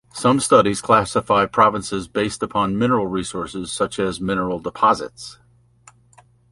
Some studies classify provinces based upon mineral resources, such as mineral deposits.